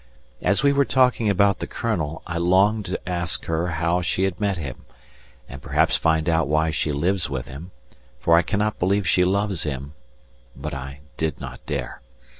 As we were talking about the Colonel I longed to ask her how she had met him, and perhaps find out why she lives with him, for I cannot believe she loves him, but I did not dare.